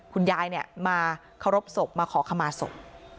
คุณยายเนี่ยมาเคารพศพมาขอคำมาศพ